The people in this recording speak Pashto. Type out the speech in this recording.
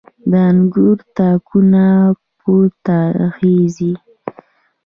د انګور تاکونه پورته خیژي